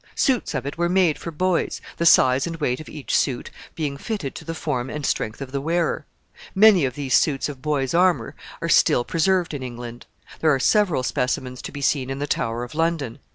Suits of it were made for boys, the size and weight of each suit being fitted to the form and strength of the wearer. Many of these suits of boys' armor are still preserved in England. There are several specimens to be seen in the Tower of London.